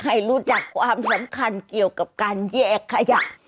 ให้รู้จักความสำคัญเกี่ยวกับการแยกขยะ